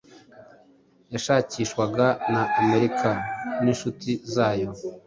yashakishwaga na Amerika n'inshuti zayo